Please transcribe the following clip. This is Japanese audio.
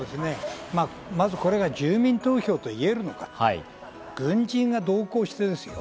まずこれが住民投票と言えるのか、軍人が同行してですよ？